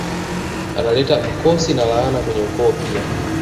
Analeta mkosi na laana kwenye ukoo pia